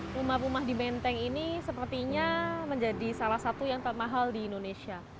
rumah rumah di menteng ini sepertinya menjadi salah satu yang termahal di indonesia